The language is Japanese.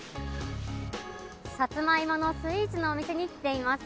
サツマイモのスイーツのお店に来ています。